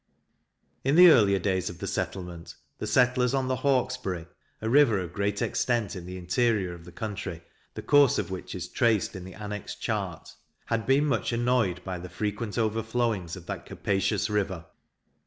In the earlier days of the settlement, the settlers on the Hawkesbury (a river of great extent in the interior of the country, the course of which is traced in the annexed chart) had been much annoyed by the frequent overflowings of that capacious river.